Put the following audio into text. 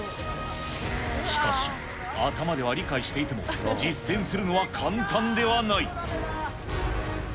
しかし、頭では理解していても、実践するのは簡単ではない。